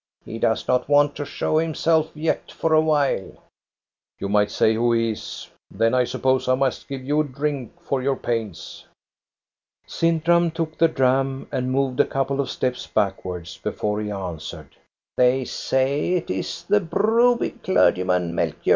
He does not want to show himself yet for a while." " You might say who he is ; then I suppose I must give you a drink for your pains." Sintram took the dram and moved a couple of steps backwards, before he answered, —" They say it is the Broby clergyman, Melchior."